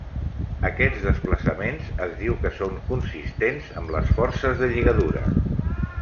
Aquests desplaçaments es diu que són consistents amb les forces de lligadura.